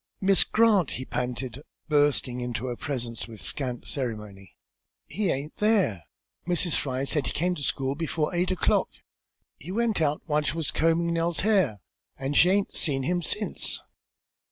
"Miss Grant," he panted, bursting into her presence with scant ceremony, "he aint there! Mrs. Fry says he came to school before eight o'clock. He went out while she was combin' Nellie's hair, an' she aint seen him since!"